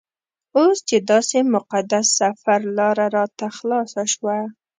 اوس چې داسې مقدس سفر لاره راته خلاصه شوه.